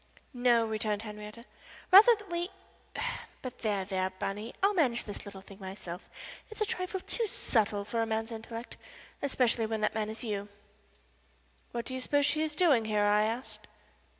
"No," returned Henrietta, "rather that we but there, there, Bunny, I'll manage this little thing myself. It's a trifle too subtle for a man's intellect especially when that man is you." "What do you suppose she is doing here?" I asked.